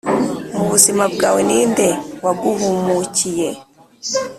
mu buzima bwawe ninde waguhwmukiye?